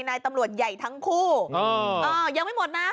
นายตำรวจใหญ่ทั้งคู่ยังไม่หมดนะ